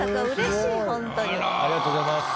ありがとうございます。